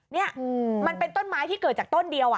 นี่มันเป็นต้นไม้ที่เกิดจากต้นเดียว